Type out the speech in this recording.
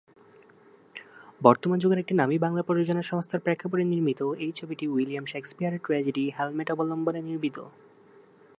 বর্তমান যুগের একটি নামী বাংলা প্রযোজনা সংস্থার প্রেক্ষাপটে নির্মিত এই ছবিটি উইলিয়াম শেকসপিয়রের ট্র্যাজেডি "হ্যামলেট" অবলম্বনে নির্মিত।